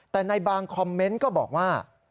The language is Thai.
แต่ในบางคอมเมนต์ก็บอกว่า